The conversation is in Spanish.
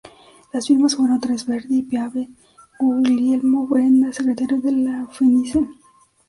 Las firmas fueron tres: Verdi, Piave y Guglielmo Brenna, secretario de La Fenice.